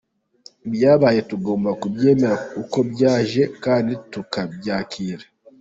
Ibyabaye tugomba kubyemera uko byaje kandi tukabyakira.